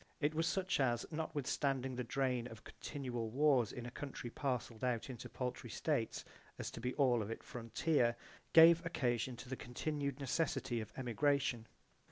It was such as, notwithstanding the drain of continual wars in a country parcelled out into paltry states as to be all of it frontier, gave occasion to the continued necessity of emigration.